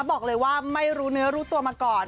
บอกเลยว่าไม่รู้เนื้อรู้ตัวมาก่อน